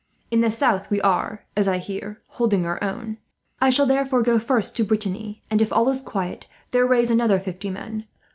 "In the south we are, as I hear, holding our own. I shall therefore go first to Brittany and, if all is quiet, there raise another fifty men.